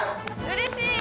うれしい！